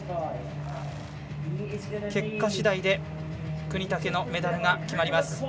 結果しだいで國武のメダルが決まります。